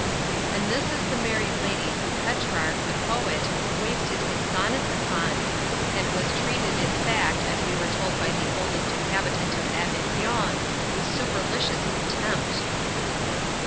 And this is the married lady who Petrarch, the poet, wasted his sonnets upon, and was treated in fact as we were told by the "oldest inhabitant" of Avignon, with supercilious contempt.